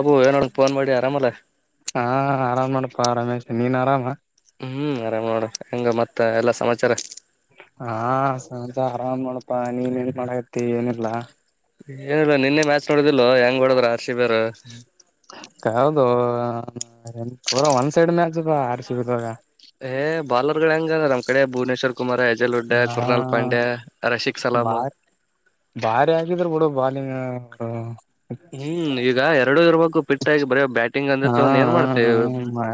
Abu ಏನೋಡ phone ಮಾಡಿ ಆರಾಮಲ್ಲ ನೀನರಾಮಾ ಹ್ಮ್ ಆರಾಮ್ ನೋಡು ಹೆಂಗ ಮತ್ತ ಎಲ್ಲಾ ಸಮಾಚಾರ ಹಾ ಸಂಜ ಆರಾಮ್ ಮಾಡಪಾ ನೀನ್ ನ್ ಮಾಡತಿ ಏನಿಲ್ಲಾ ಏನಿಲ್ಲ ನಿನ್ನೆ ಮ್ಯಾಚ್ ನೋಡುದಲೋ ಹೆಂಗ್ ಮಾಡಡದ್ರ ಆರ್ ಸಿ ಬೀ ರೂ ಹದು ಎ ಪೂರ ಒಂದ ಸೈಡ್ ಮ್ಯಾಚ್ ಬಾ ಆರ್ ಸಿ ಬಿದಾಗ ಹಏ ಬಾಲರ್ ಹೆಂಗ ಡೆ ಭುವನೇಶ್ವರ್ ಕುಮಾರ್ ಹೆಜಲಡ್ಡ ಹಾ ಕುರ್ನಾಲ್ ಪಾಂಡ್ಯ ರಶಕ್ ಸಲಾಮ ವಾಲ - ಹ್ಮ್ ಈಗ ಎಡಡು ಇರುವ - ಪಿಟ್ಟಾಗಿ ಬರ ಬ್ಯಾಟಿಂಗ್ ಅಂದ್ರೆ ಹಾ ತಗೊಂಡ ಏನ್ ಹಾ ಮಾಡ್ತೇವಿ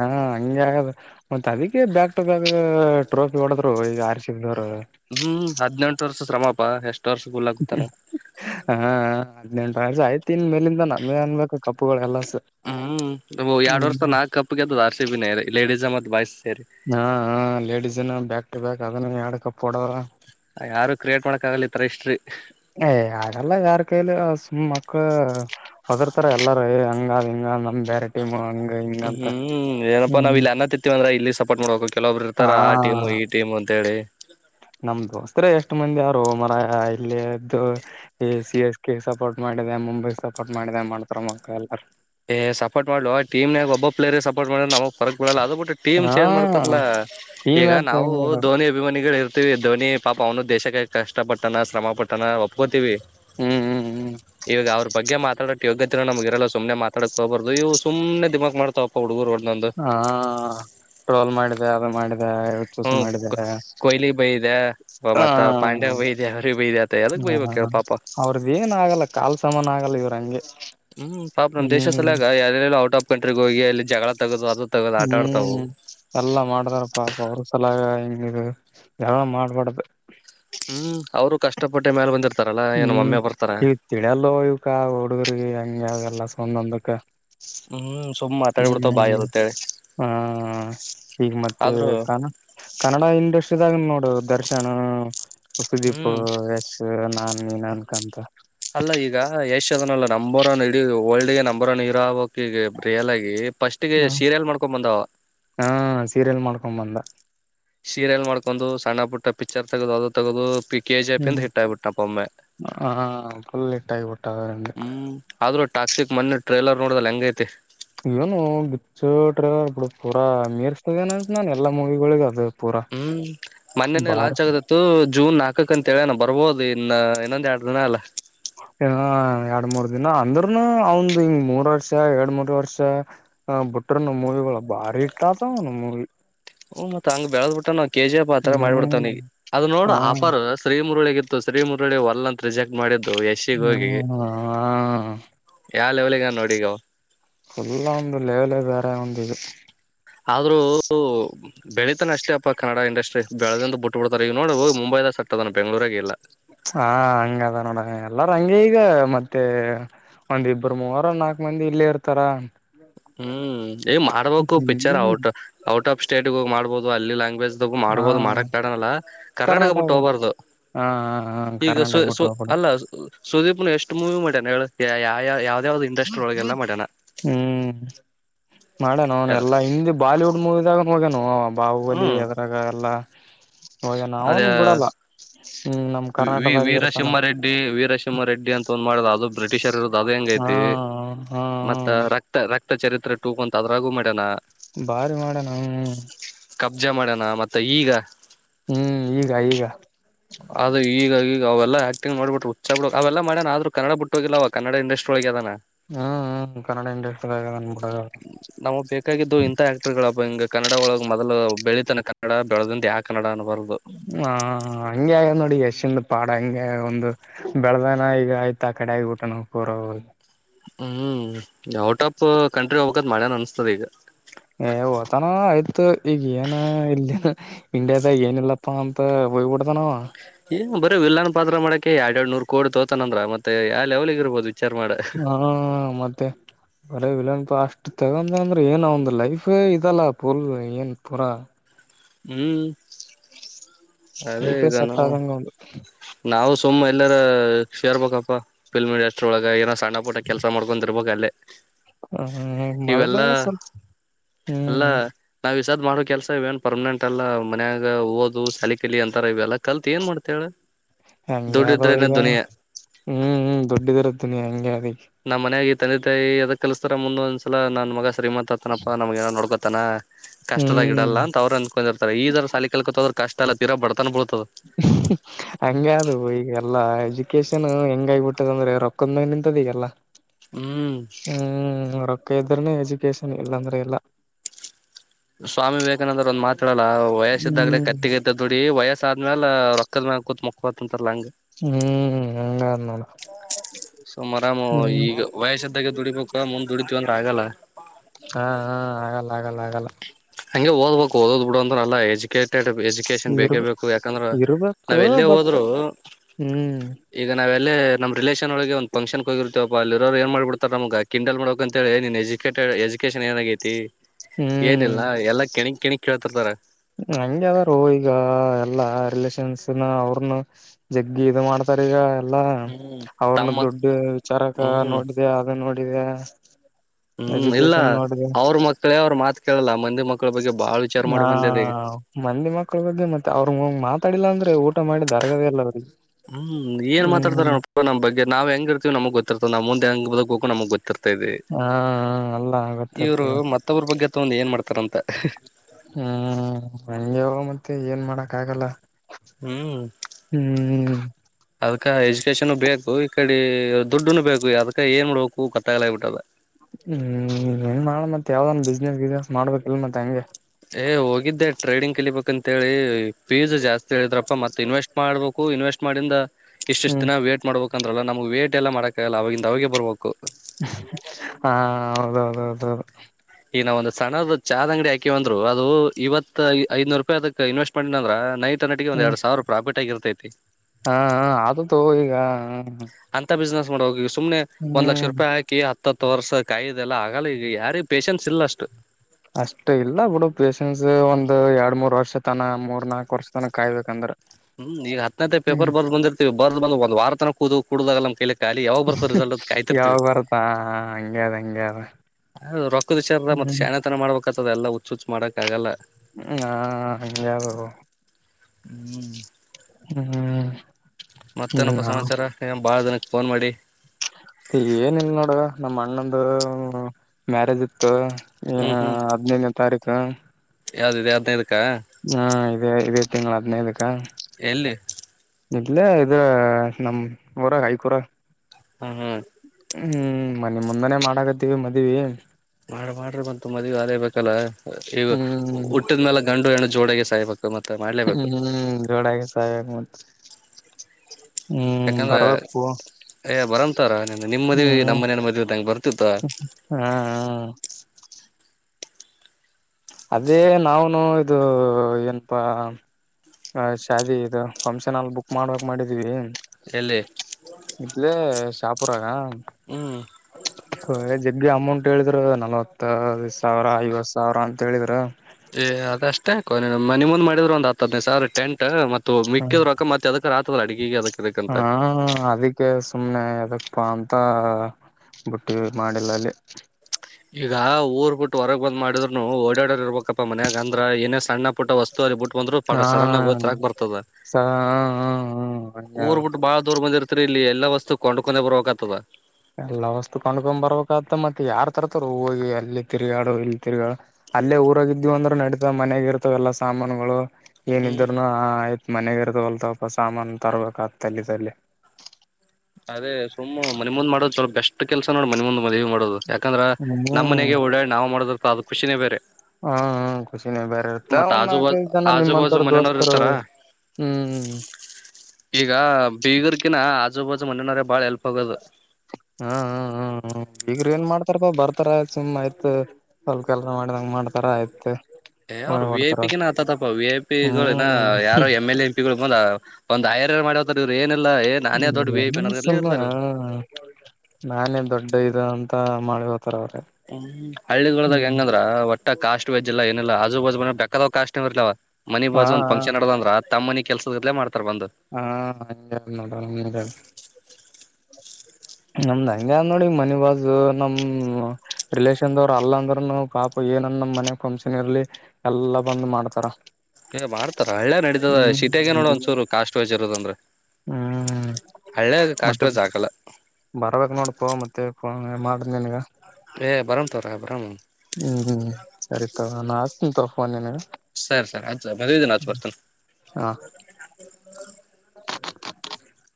ಹಾ ಹಂಗೆ ಆಗದ ಮತ್ತ ಅದಕ್ಕೆ ಬ್ಯಾಕ್ ಟು ಬ್ಯಾಕ್ ಟ್ರೋಫಿ ಹೊಡ್ರು ಈಗ [unintelligible] ಹ್ಮ್ ಹದಿನೆಂಟು ವರ್ಷ ಶ್ರಮಪ ಎಷ್ಟ - ಹಾ ಹದಿನ ಹಸ ಆಯತ ಇನ್ ಮೇಲಿಂದ ನಮ್ಮೆ ಅನ್ಬೇಕು ಕಪ್ಪುಗಳ ಎಲ್ಲ [unintelligible] ಹ್ಮ್ ಎರಡ್ ವರ್ಷ ನಾಲ್ಕ್ ಕಪ್ಪಗೆದ್ದು ಅರ್ಸಿ ಬಿನ ಲೇಡೀಸ್ ಮತ್ತೆ ಬೈಸ್ ಹಾ ಹ ಲೇಡಿಸಸ್ನ ಬ್ಯಾಕ್ ಟು ಬ್ಯಾಕ್ ಅದಾಡು ಯಾರು ಕ್ರಿಯೇಟ್ ಮಾಡಕ ಆಗಲ್ಲ ರೇಶ್ ಏ ಯಾರಲ್ಲ ಯಾರ್ ಕೈಲಿ ಸು ಮಕ್ಕಳ - ಹೊದರ್ತಾರೆ ಎಲ್ಲರ ಹಂಗ ಹಿಂಗ ನಮ್ದ - ಹ್ಮ್ ಏನಪ್ಪಾ ನಾವ್ ಇಲ್ಲಿ ಅನ್ನ ತಿಂತೀವಿ ಅಂದ್ರ ಇಲ್ಲಿ ಸಪೋರ್ಟ್ ಮಾಡ್ಬೇಕು ಕೆಲವಬ್ರು ಹಾ ಇರ್ತಾರ ಆ ಟೀಮು ಈ ಟೀಮು ಅಂತ ಹೇಳಿ. ನಮ ದೋಸ್ತ್ರಿ ಎಷ್ಟ್ ಮಂದಿ ಆರೋ ಮಾರಾಯ ಇಲ್ಲಿದ್ದು ಎ ಸಿ ಎಸ್ ಕೆ ಸಪೋರ್ಟ್ ಮಾಡಿದೆ ಮುಂಬೈ ಸಪೋರ್ಟ್ ಮಾಡಿದೆ ಮಾಡ್ತಾರ ಮಕ್ಕಳ ಎಲ್ಲಾರ. ಏ ಸಪೋರ್ಟ್ ಮಾಡ್ಲೋ ಟೀಮ್ ನ್ಯಾಗ ಒಬ್ಬ ಪ್ಲೇಯರ್ಗೆ ಸಪೋರ್ಟ್ ಮಾಡಿದ್ರೆ ನಮ ಪರಾಕ್ ಬುಳಲ ಅದು ಬಿಟ್ಟ. ಟೀಮ್ ಹಾ ಚೇಂಜ್ ಮಾಡ್ತಾರಲ್ಲಾ ಟೀಮ್ ಈಗ ಯಾಕ್ ನಾವು ಹ್ಮ್ ಧೋನಿ ಅಭಿಮಾನಿಗಳು ಇರ್ತಿವಿ ಧೋನಿ- ಪಾಪ ಅವನು ದೇಶಕ್ಕೆ ಕಷ್ಟಪಟ್ಟಾನ ಶ್ರಮ ಪಟ್ಟಾನ ಒಪ್ಕೋತೀವಿ. ಹ್ಮ್ ಹ್ಮ್ ಈವಾಗ ಅವ್ರ ಬಗ್ಗೆ ಮಾತಾಡಕ್ಕೆ ಯೋಗ್ಯತೆ ನಮ್ಗೆ ಇರಲ್ಲ ಸುಮ್ಮನೆ ಮಾತ- ತಡಕಬಾರದು ಇವು ಸುಮ್ಮನೆ ದಿಮಾಕ್ ಮಾಡತಪ್ಪ ಹುಡುಗರು. ಒಂದೊಂದು ಹಾ ಟ್ರೋಲ್ ಮಾಡಿದೆ ಅದು ಮಾಡಿದೆ. ತ್ತು ಹ್ಮ್ ಮಾಡಿದ ಹ ಕೊಹ್ಲಿ ಬೈದೆ ಮತ್ತ ಪಾಂಡ್ಯ ಬೈದೆ ಅವ್ರಿಗೆ ಬೈದೆ ಆತ ಎದಕ್ ಬೈಬೇಕ ಹೇಳ ಪಾಪ ಅವ್ರದ ಏನ್ ಆಗಲ್ಲ ಕಾಲ ಸಮಾನ ಆಗ. ಲಿ ಇವರಂಗಗೆ. ಹ್ಮ್ ಪಾಪ್ ನಮ್ ದೇಶದ ಸಲಯಗ ಎ ಔಟ್ ಆಫ್ ಕಂಟ್ರಿಗೆ ಹೋಗಿ ಅಲ್ಲಿ ಜಗಳ- ತೆಗೆದು. ಹ್ಮ್ ಎಲ್ಲಾ ಮಾಡ್ದಾರ ಪಾಪ ಅವರು ಸಲ ಗ ಹ್ಹ್. ದು ಎಲ್ಲ ಮಾಡಬಾರದು. ಹ್ಮ್ ಅವರು ಕಷ್ಟಪಟ್ಟೆ ಮ್ಯಾಲ ಬಂದಿರ್ತಾರೆ. ಹ್ಮ್ ಇವ ತಿಳಿಯಲ್ಲ ಇವಕ ಹುಡುಗರ್ರಿಗೆ ಹಂಗಾಗ. ಎಲ್ಲ ಸವಂದೊಂದಕ್ಕ. ಹ್ಮ್ ಸ - ಹ್ಮ್ ಹ ಈಗ ಮತ್ತೆ ಆದ್ರೂ ಕ ಕನ್ನಡ ಇಂಡಸ್ಟ್ರಿದಾಗ ನೋಡ ದರ್ಶನ್ [unintelligible] ಸುದೀಪ್ ಹ್ಮ್ ಯಸ್ ನಾ ನೀ ನನ್ ಅನಾಕಂತ. ಅಲ್ಲ ಈಗ ಯಶ್ ಅದನಲ್ಲ ನಂಬರ್ ಒನ್ ಇಡೀ ವರ್ಲ್ಡ್ ಗೆ ನಂಬರ್ ಒನ್ ಹೀರೋ ಆಗಕ್ ಈಗ ರಿಯಲ್ ಆಗಿ. ಫಸ್ಟ್ಗೆ ಸೀರೆಲ್ ಮಾಡ್ಕೊಂಡ್ ಬಂದಾವ ಅವ. ಕಮ್ಮಂದ ಸೀರಿಯಲ್ ಮಾಡ್ಕೊಂಡು ಸಣ್ಣ ಪುಟ್ಟ ಪಿಕ್ಚರ್ ತಗದು ಅದು ತಗೋದು ಪಿಕ್- ಹ್ಮ್ ಹಾ ಫುಲ್ ಹಿಟ್ಟಾಗಿಬಟ್ಟಗೆ ಟಾಕ್ಷಿಕ್ ಮನೆ ಟ್ರೈಲರ್ ನೋಡಿದಲ್ ಹೆಂಗ ಐತಿ. ಏನೋ ಗಿಚ್ಚು ಟ್ರೈಲರ್ ಬಿಡು ಪೂರಾ ಮೀರ್ಸ್ತದೇನಂತ ನಾನ ಎಲ್ಲಾ ಮೂವಿಗಳಿಗೆ ಅದು. ಪೂರಾ ಹ್ಮ್ ಮನನೆೇ ಬಾರಿ ಲಾಂಚ್ ಆಗದಿತ್ತು. ಜೂನ್ ನಾಲ್ಕಕ್ ಅಂತ ನ ಬರ್ಬೋದು ಇನ್ನ ಇನ್ನೊಂದ ಎರಡು ದಿನ ಅಲ್ಲ. ಎರಡ್ ಮೂರ್ ದಿನ ಅಂದ್ರನು ಅವಂದ ಹಿಂಗ್ ಮೂರ್ ವರ್ಷ ಎರಡ್ ಮೂರ್ ವರ್ಷ ಬಿಟ್ರ ನಾವ್ ಮೂವಿಗಳ ಬಾರಿ ಇಟ್ಟ ಆತವ ನ್ ಮೂವಿ ಹ್ಮ್ ಮತ್ತ ಹಂಗ ಬೆಳದ ಬಿಟ್ಟ ನ ಕೆಜಿಎಫ್ ಆತರ ಮಾಡಿ ಹ್ಮ್ ಬಿಡ್ತು ಅವನಿಗೆ ಅದು ನೋಡ್ ಹಾ ಆಪರ್ ಶ್ರೀ. ಮುರುಳಿಗಿತ್ತು ಶ್ರೀ ಮುರುಳಿ ಅಂತ ರರಿಜೆಕ್ಟ್ ಮಾಡಿದ್ದು ಯಶಿಗ್ ಹೋಗಿ ನಿಮ್ಮನ್ನ ಯಾವ ಲೆವೆಲ್ಗ ನೋಡಿ ಈಗ ಎಲ್ಲಾ ಒಂದು ಲೇವಲೆ ಬೇರೆ ಒಂದ ಇದು ಬೆಲಿತನಪ್ಪ ಅಷ್ಟೇ ಕನ್ನಡ ಇಂಟರೆಸ್ಟ್ ಬೆಲ್ದಂದ್ರೆ ಬಿಡಬೇಡ ರಾ ಈಗ ನೋಡ ಹೋ ಮುಂಬೈದ ಸೆಟ್ ಆಗಿದೆ ಬೆಂಗಳೂರಿನಲ್ಲಿ ಇಲ್ಲ ಹಾ ಹಂಗದ ನೋಡ ಎಲ್ಲಾರ ಹಂಗಗೆ ಈಗ ಮತ್ತೆ ಒಂದಿಬ್ರು ಮೂರ ನಾಕ್ ಮಂದಿ ಇಲ್ಲೇ ಇರ್ತಾರ ಹ್ಮ್ ಮಾಡಬೇಕು ಪಿಚ್ಚರ್ ಹ್ಮ್ ಫೋಟೋ ಸ್ಟೇಟ್ಗೆ ಹಾ ಕರ್ನಾಟಕ ಬಿಟ್ಟು ಕರ್ನಾಟಕದ ಹೋಗ್ಬಾರ್ದು ಹಾ ಹಾ ಹಾ ಕರ್ನಾಟಕ ಬಿಟ್ಟು ಹೋಗ್ಬಿಡು ಸುದೀಪ್ನು ಎಷ್ಟು ಮೂವಿ ಮಾಡ್ಯನೆ ಹೇಳ ಯಾವ ಯಾವ ಇಂಡಿಯಾ ಇಂಟರೆಸ್ಟ್ ಎಲ್ಲಾ ಮಾಡೋಣ ಮಾಡೇ ನ ಅವನ್ ಎಲ್ಲಾ ಹಿಂದಿ ಬಾಲಿವುಡ್ ಮೂವಿದಾಗ ಮೂಗನ ಬಾಹುಬಲಿ ಹ್ಮ್ ಎದ್ರಾಗ ಎಲ್ಲ ಅದೇ ಹ್ಮ್ ನಮ್ ಕರ್ನಾಟಕದಾಗ ಇರ್ತಾನ ವೀರಸಂಹರೆೆಡ್ಡಿ ವೀರಸಂಹ ರೆಡ್ಡಿ ಅಂತ ಒಂದ್ ಮಾಡ್ರ ಅದು ಬ್ರಿಟಿಷರ್ ಹಾ ಅದೆಂಗೈತೆ ಐತೆ ಹಾ ಮತ್ತೆ ರಥ ರಕ್ತಚರಿ ಟು ಆದಾಗ ಮಾಡೋಣ ಭಾರಿ ಮಾಡೋಣ ಬೇಜಾರ್ ಮಾಡೋಣ ಮತ್ತೆ ಈಗ ಹ್ಮ್ ಈಗ ಈಗ ಅದು ಈಗ ಈಗ ಅವೆಲ್ಲ ಆಕ್ಟಂಗ್ ಮಾಡ್ಬಿಟ್ಟ ಹುಚ್ಚ ಬಿ ಅವೆ ಮಾಡ್ಯಾನ ಆದ್ರ ಕನ್ನಡ ಬಿಟ್ಟ ಹೋಗಿಲ್ಲ ಅವವ ಕನ್ನಡ ಇಂಡಸ್ಟ್ರಿ ಇದಾನೆ ಹ್ಮ್ ಹ್ಮ್ ಕನ್ನಡ ಇಂಡಸ್ಟ್ರಿ ನಾಗೆ ಇದ್ದಾನೆ ನಮ್ಗ್ ಬೇಕಾಗಿದ್ದು ಇಂಥ ಆಕ್ಟರ್ ಹಿಂಗ ಕನ್ನಡ ಒಳಗ ಮೊದಲು ಬೆಳೀಿತಾನ ಕನ್ನಡ ಬೆಳೆದಿಂದ ಯಾ ಕನ್ನಡ ಅ ಹಾ ಹಂಗೆ ಆ ನೋಡಿ ಯಶ್ ತಿನ್ ಪಾಡ್ದಾಗೆ ಬೆಳಗಾವಿ ಆಕಡೆ ಆಗೋದಾನ ಹ್ಮ್ ಔಟ್ ಆಫ್ ಕಂಟ್ರಿ ಹೋಗಕತ್ ಮಾಡೇನ್ ಅಿಸಸ್ತದ ಈಗ ಏ ಓದ್ತಾನಾವ ಆಯ್ತು ಈಗ ಏನ ಇಲ್ಲಿ ಇಂಡಿಯಾದಾಗ ಏನಿಲ್ಲಪ್ಪ ಅಂತ ಹಯ್ಬಿಡ್ತನಾವ ಏ ಬರೀ ವಿಲ್ಲನ್ ಪಾತ್ರ ಮಾಡಕೆ ಎರಡ್ ಎರಡ್ ನೂರ್ ಕೋಡ್ ತೋತಾನ ಅಂದ್ರ ಮತ್ತೆ ಯಾವ ಲೆವೆಲ್ಗ ಇರ್ಬಹದು ಹಾ ಮತ್ತೆ ಪರವಾಗಿಲ್ಲ ಅಷ್ಟಟ್ ತಗೊಂಡ ಅಂದ್ರೆ ಏನ್ ಅವಂದು ಲೈಫ ಇದಲ್ಲ ಪಲ್ ಏನ್ ಪುರಾ ಹ್ಮ್ ಹ ಅದೇ ಲೈಫ್ ಈಗ ನಾ ಸೆಟ್ ಆದಂಗೆ ಅವಂದು ನಾವು ಸುಮಮ್ಮ ಎಲ್ಲಾರ ಸೇರ್ಬೇಕಪ್ಪಾ ಫಿಲ್ಮ್ ಇಂಡಿಯಾಸ್ಟ್ರ ಒಳಗ ಏನ ಸಣ್ಣಪುಟ ಕೆಲಸ ಮಾಡ್ಕೊಂಡು ಅರ್ಬಾಗ ಅಲ್ಲೇ ಹ್ಮ ಹ್ಮ್ ಮೊದಲ ಇವೆಲ್ಲಾ ಸ್ವಲ್ಪ ಹ್ಮ್ ಇಾದ್ ಮಾಡೋ ಕೆಲ್ಸ ಇವೇನ್ ಪರ್ಮನೆಂಟ್ ಅಲ್ಲ ಮನ್ಯಾಗ ಓದು ಶಾಲಿ ಕಲಿ ಅಂತರ ಇವಲ್ಲ ಕಲ್ತ್ ಏನ್ ಮಾಡ್ತ ಹೇಳ ಹೆಂಗಗೆ ಅದ ಈಗ ಹ್ಮ್ ಹ್ಮ್ ದುಡ್ಡಿದಿ ಇರುತ್ತ ನೀ ಹೆಂಗೆ ನಮ್ಮ್ ಮನ ಆಗತ್ತು ತಂದೆ ತಾಯಿ ಅದಕ್ ಕಲಸತಾರ ಮುಂದ ಒಂದ್ಸಲ ನನ್ ಮಗ ಶ್ರಮ ತನಪ್ಪ ನಮಗೆನ ನೋಡ್ಕ ತ್ತನ್ನ ಕಷ್ಟದಾಗಿ ಹ್ಮ್ ಇಡಲ್ಲ ಅಂತ ಅವ್ರರು ಅನ್ಕೊಂಡಿರ್ತಾರೆ ಈದರ ಸಾಲ ಕಲ್ಕತದ್ರರು ಕಷ್ಟ ಎಲ್ಲೀರ ಹಂಗ ಅದು ಈಗೆಲ್ಲಾ ರೇಶನ್ ಹ ಹೆಂಗ ಆಬ ಬಿಟ್ಟದಂದ್ರೆ ರೊಕ್ಕದ ಮೇಲೆ ನಿಂತದ ಈಗಲ್ಲ ಹ್ಮ್ ಹ್ಮ್ ದ್ರನೇ ಎಜುಕೇಶನ್ ಇಲ್ಲಾಂದ್ರೆ ಇಲ್ಲ ಸ್ವಾಮಿ ವಿವೇಕಾನಂದರ ಒಂದ್ ಮಾತ ಇಲ್ಲ ವಯಸ್ಸ್ದಾಗಲೇ ಹ್ಮ್ ಕತ್ತಿಗ ಇದ್ದದುಡಿ ವಯಸ್ ಸ ಆದ್ಮೇ ರೊಕ್ಕದ ಮ್ಯಾಗ ಕೂತ್ ಮುಕ್ಕಕತ್ಂತರ್ಲಂಗ ಹ್ಮ್ ಹ್ಮ ಸುಮರಾಮ್ ಹ್ಮ್ ಈಗ ವಯಸ್ಸ್ದಾಗೆ ದುಡಿಬೇಕು ಮುಂದ ದುಡಿತವಿ ಅಂದ್ರೆ ಆಗಲ್ಲ ಹಾ ಹಾ ಆಗಲ್ಲ ಆಗಲ್ಲ ಆಗಲ್ಲ ಹಂಗೆ ಓದ ಓದ್ ಬಿಡು ಅಂದ್ರೆಲ್ಲ ಎಜುಕಟೆಡ್ ಎಜುಕೇಶನ್ ಬೇಕೇ ಇರ್ಬ ಬೇಕು ಯಾಕಂದ್ರೆ ಇರ್ಬೇಕು ನಾವೆಲ್ಲೇ ಬಟ್ ಹೋದ್ರು ಹ್ಮ್ ಈಗ ನಾವೆಲ್ಲ ನಮ್ಮ ರಿಲೇಷನ್ ಒಳ ಒಂದು ಫಕ್ಷನ್ ಹೋಗಿರ್ತವಪ್ಪ ಅಲ್ಲಿ ಇರೋರು ಏ ಮಾಡ್ಬಿಡ್ತ ನಮಗೆ ಕಿಂಡಲ್ ಮಾಡಕ ಅಂತಿ ನೀನು ಎಜುಕೇಟಡ್ ಎುಕಷನ್ ಏನಾಗೈತಿ ಹ್ಮ್ ಏನಲ್ಲ ಎಲ್ಲ ಕೆಣಿ ಕೆಣಿಕ್ ಕೇಳ್ತಿರ್ತಾರ ಹಂಗಗೆ ಅದಾರು ಈಗ ಎಲ್ಲಾ ರಿಲೇಷನ್ಸ್ನ ಅವ್ರನು ಜಗ್ಗಿ ಇ ಮಾಡ್ತಾರ ಈಗ ಎಲ್ಲ ಅವ್ರನ್ನ ತಮ್ಮ ದುಡ್ಡ ವಿಚಾರಕ್ಕ ಹ್ಮ್ ನೋಡಿದೆ ಅದು ನೋಡಿದೆ ಹ್ಮ್ ಇಲ್ಲ ಎಜುಕೇಶನ್ ನೋಡಿದೆ ಅವ್ರ ಮಕ್ಕಳೇ ಅವ್ರ ಮಾತ್ ಕೇಳಲ್ಲ ಮಂದಿ ಮಕ್ಕಳ ಬಗ್ಗೆ ಬಾಳ ವಿಚಾರ ಮಾಡ ಮಂದಿ ಅದ ಈಗ ಹ ಮಂದಿ ಮಕ್ಕಳ ಬಗ್ಗೆ ಮತ್ತೆ ಅವ್ರ ಮಾತಾಡಿಲ್ಲ ಅಂದ ಊಟ ಮಾಡಿ ದರಗದೇ ಇಲ್ಲ ಅವ್ರೀ ಹ್ಮ್ ಏನ್ ಮಾತಾಡ್ತಾರ ನಪ್ಪ ನಮ್ಮ ಬಗ್ಗೆ ನಾವ್ ಹೆಂಗ ಇರ್ತಿವಿ ನಮ್ಗ್ ಗೊತ್ತಿರ್ತವ ನ ಮುಂದ ಹೆಂಗ್ ನಮಗೆ ಗೊತ್ತ ದೆ ಹ ಅಲ್ಲ ಇವರು ಗೊತ್ತಿರ್ತದ ಮತ್ತೊಬ್ಬ್ರ ಬಗ್ಗೆ ತ ಒಂದು ಏನ್ ಮಾಡ್ತಾರೆ ತರಂತೆ ಹ್ಮ್ ನಂಗೆ ಮತ್ತೆ ಏನ್ ಮಾಡಕ್. ಕ ಕಲ್ಲ. ಹ್ಮ್ ಅ ಎಜುಕೇಶನ್ ಬೇಕು ಈ ಕಡೆ ದುಡ್ಡುನು ಬೇಕು ಅದಕ್ಕ ಏನ್ ನಡಬೇಕು ಕತ್ತಾಗಲ ಆಗ್ಬಟ್ಟದ. ಹ್ಮ್ ನೀವ ನ್ ಮಾಡ ಮತ್ತತ್ ಯಾವ್ದನ್ ಬಿಸ್ನೆಸ್ ಬಿಸ್ನೆಸ್ ಮಾಡ್ಬೇಕಲ್ ಮತ್ತೆ ಹಂಗೆ. ಏ ಹೋಗಿದ್ದೆ ಟ್ರೇಡಿಂಗ್ ಕಲಿಬೇಕ ಅಂತೇಳಿ ಫೀಸ್ು ಜಾಸ್ತಿ ಹೇಳಿದ್ರಪ್ಪ ಮತ್ತೆ ಇನ್ವೆಸ್ಟ್ ಮಾಡ್ಬೇಕು ಇನ್ವೆಸ್ಟ್ ಮಾಡಿಂದ. ಇಷ್ಟ ಎಷ್ಟ ಹ್ಮ್ ದಿನ ವೇಟ್ ಮಾಡ್ಬೇಕು. ಅಂದ್ರಲ್ಲ ನಮಗ್ ವೇಟ್ ಎಲ್ಲ ಮಾಡಾಕಲ್ಲ ಅವಂದ ಅವೆ ಬರ್ಬೇಕು. ಹಾ ಹೌದ ಹೌದ ಹೌದೌದು. ನಾವ ಒಂದು ಸಣ್ಣದ ಚಾದ ಅಂಗಡಿ ಹಾಕಿವ ಅಂದ್ರು ಅದು ಇವತ್ ಐದನೂರು ರೂಪಾಯಿ ಅದಕ್ಕೆ ಇನ್ವೆಸ್ಟ್ ಮಾಡಿ ಅಂದ್ರ ನೈಟ್. ನಟಿಗೆ ಹ್ಮ್ ಒಂದು ಎಡು ಸಾವರ ಪ್ರಾ ಆಗಿೆ. ಹ್. ಹಾ ಆದ ತೋ ಈಗ. ಅಂತ ಬ ಬಿಸಿನೆಸ್. ಹಡೋಗ. ಏಸ್ ಸುಮ್ನೆ ಒಂದು ಲಕ್ಷ ಹ್ಮ್ ರೂಪಾಯಾತ. ಹತ್ತ ಹತ್ತು ವರ್ಷ ಕಾಯ್ದದೆಲ್ಲ ಆಗಲ್ಲ ಈಗ ಯಾರಿಿಗೆ ಪೇೇಶನ್ಸ್ ಇಲ್ಲ ಅಷ್ಟು. ಅಷ್ಟ ಇಲ್ಲ ಬಿುಡು ಪೇೇಶನ್ಸ್ ಒಂದ್ ಎರಡ್ ಮೂರ್ ವರ್ಷ ತನ ಮೂರ್ ನಾಕು ವರ್ಷ ತನ ಕಾಯ್ಬೇಕಂದ್ರ. ಹ್ಮ್ ಈ ಹತ್ತನತ್ತ ಹ್ಮ್ ಪೇಪರ್ ಬರ್ ಬಂದಿರ್ತಿವಿ ಬದ ಬಂದಂದು ವಾರ ತನಕ ಕೂ ಕ ಕುಡುದಾಗಲ್ಲ ನ್ ಕೈಲಿಕ್ಕೆ. ಯಾವಾಗ ಬರ್ತಾ ಹಂಗೆ ಅದ ಹಂಗಗೆ ಅದ. ಹೌ ರ. ಮತ್ತ ಹ್ಮ್ ಶಾನ ತನ ಮಾಡಬೇಕು. ಆಗ್ತದೆಲ್ಲ ಹುಚ್ ಮಾಡಕಕ್ಕಗಲ್ಲ. ಹಾ ಯಾರು. ಹ್ಮ್. ಹ್ಮ ಹ್ಮ. ಮತ್ತೆನಪ್ಪ ಸಮಾಚಾರಏನ್ ಬಾಳ ದಿನ. ಫೋನ್ ಮಾಡಿ. ಏನಲ್ ನೋಡುವ ನಮ್ಮ ಅಣ್ಣಂದು ಮ್ಯಾರೇಜ್ ಇತ್ತು. ಹ ಹ್ಮ್ ಹ್ಮ್ ಹದ್ನೈದನೇ ತಾರೀಕು. ಯಾವ್ದ ಯ್ದನ. ಹಾ. ಇ ತಿಂ ಹದಿನೈದುಕ್ಕಾ. ಎಲ್ಲಿ. ಇಡ್ಲ ಇ ನಮ್ ಹೊಊರ ಐಕರ. ಹ್ಮ ಹ್ಮ. ಹ್ಮ್ ಮನೆಿ ಮುಂದಾನನೆ ಮಾಡಕತ್ತೀವಿ ಮದ್ವಿ. ಮಾಡಿ ಮಾಡ್ರಿ ಬಂತು ಮದುವೆ ಆಗಲೇ ಬೇಕಲ್ಲ ಈಗ ಹ್ಮ್ ಹುಟ್ಟಿದ್ಮೇಲೆ ಗಂಡು ಹೆಣ ಜೋಡೆಗೆ ಸಾಹೇಬ ಹ್ಮ್ ಹ್ಮ್ ಜೋಡಾಗಿ ಸಾವೆ [unintelligible] ಯಾಕಂದ್ರ ಏ ಬರಂತಾರ ನಿಮ ಮದ್ವಿ ನಮ್ಮ ಹ್ಮ್ ಮನೇನ್ ಮದ್ವಿ ತಂಗ ಬರ್ತಿತ್ತು ಹಾ [unintelligible] ಅದೇ ನಾವ್ನು ಇದು ಏನಪಾ ಶಾದಿ ಇದು ಫಂಕ್ಷನ್ ಅಲ್ಲಿ ಬುಕ್ ಮಾಡ್ಬೇಕಕ್ ಮಾಡಿದ್ವಿ ಎಲ್ಲಿ [unintelligible] ಇಲ ಸಾಪಿಾಗ [unintelligible] ಹ್ಮ್ [unintelligible] ಹವಿ ಅಮೌಂ ಹೇಳಿದ್ರ ನಲವತ್ತ ಸಾವಿರ ಐವತ್ತು ಸಾವಿರ ಹೇಳಿದರಾ ಏ ಅದಷ್ಟೇ ಕೊ ಮ ನಿಮ ಮುಂದ್ ಮಾಡಿದ್ರರು ಒಂದ್ ಹದನೈದು ಸಾವಿರ ಟೆಂಟ್ ಮತ್ತೆ ಮಿಕ್ಕಿದ್ ಅಕ್ಕ ಮತ್ತೆ ಅದಕ ಆತದಲ್ಲ ಅಡ್ಗಗೆ ಅದಕ್ಕೆ ಅದಕ್ಕಂತ ಹಾ ಅಪ್ಪ ಅಂತ ಬಿುಟ್ಟ ಮಾಡಿಲ್ಲಲ್ಲಿ ಈಗ ಊರ್ ಬಿಟ್ಟು ಹೊರಗೆ ಬಂದ್ ಮಾಡಿದ್ರುನು ಓಡಾಡೋರ್ ಇರ್ಬೇಕಪ್ಪ ಮನ್ಯಾಗ ಅಂದ್ರೆ ಏನ ಸಣ್ಣ ಪುಟ್ಟ ವಸ್ತುವ ಅರಿ ಬಿಟ್ಟ ಬಂದ್ರು ಹಾ ಸಡನ್ ಆಗ ಹ್ತರ ಬರ್ತದ ಸ ಹಂಗೆ ಊರ್ ಬಿಟ್ಟು ಬಾಳ ದೂರ ಬಂದಿರ್ತ ಇಲ್ಲಿ ಎಲ್ಲ ವಸ್ತು ಕೊಂಡ್ಕೊಂಡೆ ಬರಬೇಕತದ ಎಲ್ಲ ವಸ್ತು ಕೊಂಡ್ಕೊಂಡ್ ಬರ್ಬೇಕತ್ತ ಮತ್ತತ್ ಯಾರ್ ತರತರ್ ಹೋಗಿ ಅಲ್ಲಿ ತಿರುಗಾಡು ಇಲ್ಲಿ [unintelligible] ತಿ ಅೇ ಊರಾಗಿದ್ದೀವ ಅಂದ್ರ ನಡ ಈ ಮನೆಗ ಇರ್ತವಲ್ಲ ಸಾಮಾನುಗಳು ಹ್ಮ್ ಏನಿದ್ರನು ಆಯ್ ಮನೆಗ ಇರ್ದ ಹೊಲ್ತಪ ಸಾಮಾನ ತರ್ಬೇಕ ಆ ತಲ್ಲ ತಲ್ಲಿ ಅದೇ ಸುಮ್ಮ್ ಮನೆ ಮುಂದ್ ಮಾಡದ್ವಲಪ ಬೆಸ್ಟ್ ಕೆಲಸ ನೋಡ ಮನೆ ಮುಂದ ಮಾಡುದು ಯಾಕಂದ್ರೆ ಹ್ಮ್ ನಮ್ಮ್ನೆ ಓಡಾಡ್ ನಾವು ಮಾಡದ ಪ ಅದುಕಖಷಿನೇರೆ ಹ್ಮ ಹ್ಮ ಮತ್ತತ್ ಆಜುಬಾಜು ಆಜುಬಾಜು ನಿಮ್ಮಂತರ ಮನನವರು ದೋಸ್ತರು ಇರ್ತಾರ ಹ್ಮ್ [inaudible] ಈಗ ಬೀಗರ್ಕಿನ ಜು ಮನೆಯನವರ ಬಾಳ ಹೆಲ್ಪ್ ಆಗೋದು ಹ್ಮ್ ಹ್ಮ್ ಹ್ಮ್್ ಈಗ್ರ ಏನ್ ಮಾಡ್ತಾರಪ್ಪಾ ಬರ್ತಾರ ಸು್ ಆಯ್ತ ಸ್ವಲ್ಪ ಕೆಲ್ಸ ಮಾಡ್ ಅವ ವಿ ಐ ಹೋಗ್ಬಡ್ತಾರ ಪಿಗಿನ ಹತತಪ್ಪ ವಿ ಐ ಪಿಿನ [unintelligible] ಯಾರೋ ಹ್ಮ್ ಎಮ್ ಎಲ್ ಎಂ ಪಿ ಬಂದ ಒಂದ ಆ ಏನೋ ಮಾಡುತ್ತರೆ, ಏನೇನ ಸುಮ್ಮ ನಾನೇ ದೊಡ್ಡ ಇದ ಅಂತ ತ ಮಾಡಿ ಹ್ಮ್ ಹಳ್ಳಿಗಳದಾಗ ಹೆಂಗಂದ್ರ ಒಟ್ಟ ಕಾಸ್ಟ್ ವೆಜ್ ಎಲ್ಲ ಏನಲ್ಲ ಅಜು ಬು ಬೇಕಾದದ್ ಕಾಸ್ಟ ನಾವ ಇರ್ಲವ ಮನಿ ಹಾ ಬಾಜು ಒಂದು ಫಂಕ್ಷನ್ ಅಡದ ಅ್ರ ತಮ್ಮ ಮನಿಗೆ ಕೆಲಸದಗತಿ ಮಾಡ ಹಾ ನೋಡ ಅ ನಮ್ದ್ ಹಂಗೆ ನೋಡಿ ಮನಿ ಬಾಜು ನಮ ರಿಲೇಷನ್ವ್ರ ಅಲ್ಲ ಅಂದ್ರನು ಪಾಪ ಏನಂದ ನಮ್ ಮನ ಫಂಕ್ಷನ್ ಇರ್ಲಿ ಎಲ್ಲಾ ಬಂದ್ ಮಾಡ್ತಾರ ಈಗ ಮಾಡ್ತಾರ ಹಳ್ಳೆ ನಡೀತದ ಹ್ಮ್ ಶೀಟೆಗೆ ನೋಡ ಒಂದ ಚೂರು ಕಸ್ಟ್ ವಜ್ ಇರದಂದ್ರೆ ಹ್ಮ್ ಹ್ಮ್ ಮತ್ತೆ ವೈಸ್ ಹಾಕಲ್ಲ ಬರ್ಬೇಕ ನೋಡ್ಪ ಮತ್ತೆ ಹ ಮಾಡ್ರ ನನ್ಗ ಏ ಬರಮ್ ತೋರ ಬರಮ್ ಹ್ಮ್ ಸರಿತೋ ನಾ ಹಚ್ಚಾತಿನಿ ಫೋನ್ನ ಮದುವೆ ದಿನ ಅಚ್ಚು ಬರ್ತೀನಿ [inaudible]